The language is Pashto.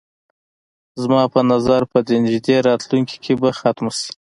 زما په نظر په دې نږدې راتلونکي کې به ختمه شي.